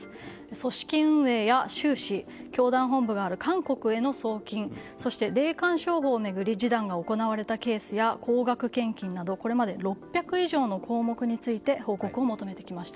組織運営や収支教団本部がある韓国への送金そして霊感商法を巡り示談が行われたケースや高額献金などこれまで６００以上の項目について報告を求めてきました。